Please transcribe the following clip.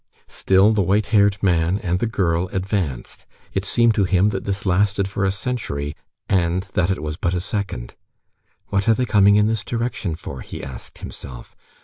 Still the white haired man and the girl advanced. It seemed to him that this lasted for a century, and that it was but a second. "What are they coming in this direction for?" he asked himself.